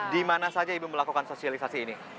dimana saja ibu melakukan sosialisasi ini